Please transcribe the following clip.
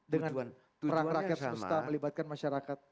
dengan perang rakyat semesta melibatkan masyarakat